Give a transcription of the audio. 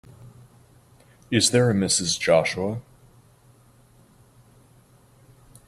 Is there a Mrs. Joshua?